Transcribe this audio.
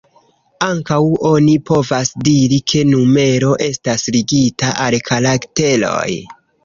Ankaŭ oni povas diri ke numero estas ligita al karakteroj.